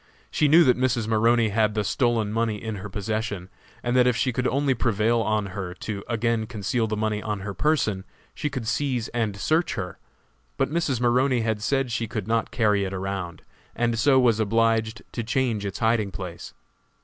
She knew that Mrs. Maroney had the stolen money in her possession, and that if she could only prevail on her to again conceal the money on her person, she could seize and search her; but Mrs. Maroney had said she could not carry it around, and so was obliged to change its hiding place.